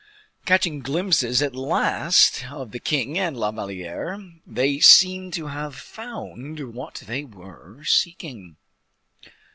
Catching glimpses at last of the king and La Valliere, they seemed to have found what they were seeking.